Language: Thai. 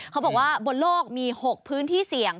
เขาบอกว่าบนโลกมี๖พื้นที่เสี่ยง